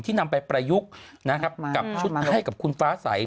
ที่นำไปประยุกต์ชุดให้กับคุณฟ้าใส